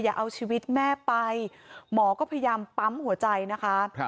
อย่าเอาชีวิตแม่ไปหมอก็พยายามปั๊มหัวใจนะคะ